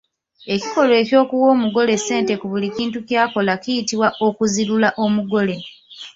Ekikolwa eky'okuwa omugole ssente ku buli kintu ky’akola kiyitibwa okuzirula omugole.